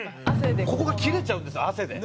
ここが切れちゃうんです汗で。